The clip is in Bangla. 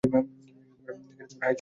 হাই, সোনা।